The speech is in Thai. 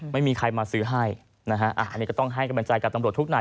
ไม่มีใครมาซื้อให้นะฮะอันนี้ก็ต้องให้กำลังใจกับตำรวจทุกนาย